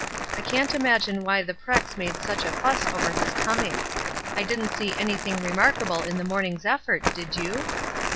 I can't imagine why the Prex made such a fuss over his coming. I didn't see anything remarkable in this morning's effort, did you?"